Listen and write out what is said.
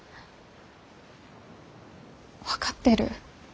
分かってる？